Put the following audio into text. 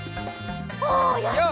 おやった！